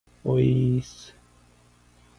おいーっす